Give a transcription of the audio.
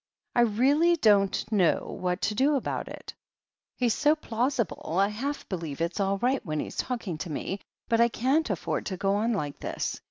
I really don't know what to do about it. He's so plausible, I half believe it's all right when he's talking to me, but I can't afford to go on like this.